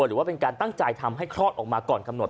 หรือว่าเป็นการตั้งใจทำให้คลอดออกมาก่อนกำหนด